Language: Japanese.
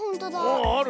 ああある。